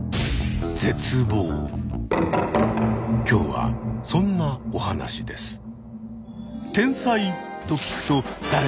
今日はそんなお話です。